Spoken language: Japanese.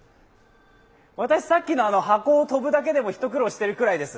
私、さっきの箱を跳ぶだけでも一苦労してるくらいです。